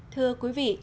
thưa quý vị